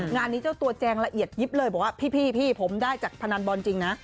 งานนี้เจ้าตัวแจงละเอียดยิบเลยบอกว่าพี่ผมได้จากพนันบอลจริงนะ